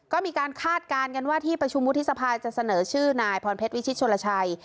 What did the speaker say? ก็มีการคาดการณ์กันว่าที่ประชุมวุฒิสภาจะเสนอชื่อนายพรเพชรวิชิตชนลชัย